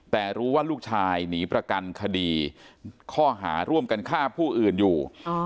แต่รู้ว่าลูกชายหนีประกันคดีข้อหาร่วมกันฆ่าผู้อื่นอยู่